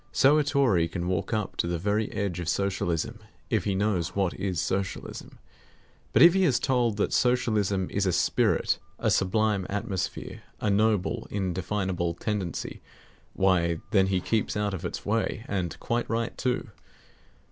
So a Tory can walk up to the very edge of Socialism, if he knows what is Socialism. But if he is told that Socialism is a spirit, a sublime atmosphere, a noble, indefinable tendency, why, then he keeps out of its way; and quite right too.